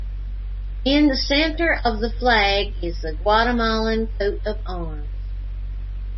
In the center of the flag is the Guatemalan coat of arms.